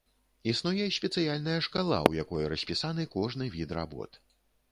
Існуе спецыяльная шкала, у якой распісаны кожны від работ.